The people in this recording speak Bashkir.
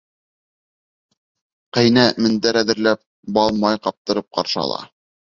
Ҡәйнә мендәр әҙерләп, бал-май ҡаптырып ҡаршы ала.